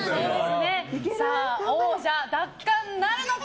王者奪還なるのか。